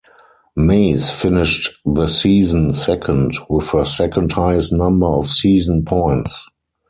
Maze finished the season second, with her second-highest number of season points.